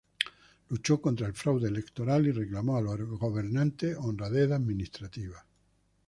Luchó contra el fraude electoral y reclamó a los gobernantes honradez administrativa.